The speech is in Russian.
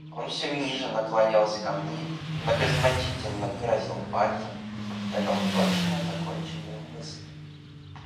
Он все ниже наклонялся ко мне, многозначительно грозил пальцем и повторял точно законченную мысль.